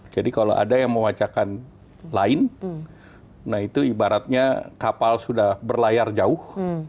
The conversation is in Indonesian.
jadi kalau ada yang mewacakan lain nah itu ibaratnya kapal sudah berlayar jauh